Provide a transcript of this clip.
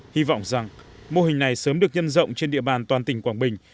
hy vọng rằng mô hình này sớm được nhân rộng trên địa bàn toàn tỉnh quảng bình